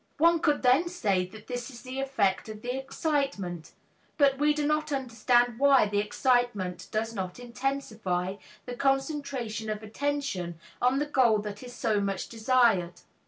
One could then say that this is the effect of the "excitement," but we do not understand why the excitement does not intensify the concentration of attention on the goal that is so much desired.